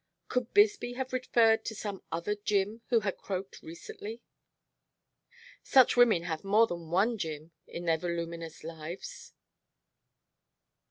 Could Bisbee have referred to some other Jim who had "croaked" recently? Such women have more than one Jim in their voluminous lives.